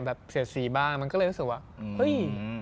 เสียดสีบ้างมันก็เลยรู้สึกว่าเฮ้ย